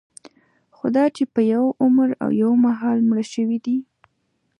خوداچې په یوه عمر او یوه مهال مړه شوي دي.